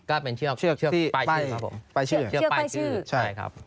ก็เป็นเชือกเชือกเชือกป้ายชื่อครับผมป้ายชื่อเชือกป้ายชื่อใช่ครับ